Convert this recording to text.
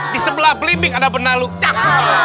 di sebelah belimbing ada benalu cak